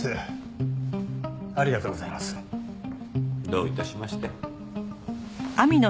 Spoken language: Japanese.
どういたしまして。